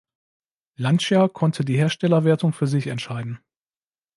Lancia konnte die Herstellerwertung für sich entscheiden.